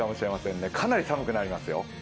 かなり寒くなりますよ。